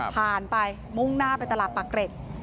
ผ่านไปมุ่งหน้าไปตลาดปากเกร็ด